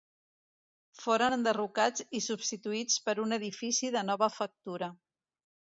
Foren enderrocats i substituïts per un edifici de nova factura.